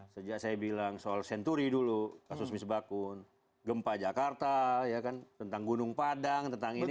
sejak saya bilang soal senturi dulu kasus misbakun gempa jakarta tentang gunung padang tentang ini